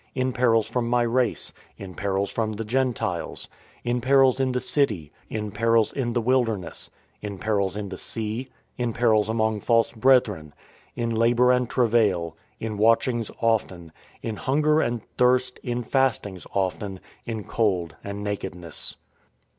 In perils from my race, in perils from the Gentiles, In perils in the city, in perils in the wilderness, In perils in the sea, in perils among false brethren; In labour and travail, in watchings often. In hunger and thirst, in fastings often. In cold and nakedness.